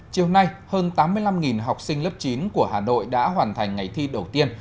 chiều nay hơn tám mươi năm học sinh lớp chín của hà nội đã hoàn thành ngày thi đầu tiên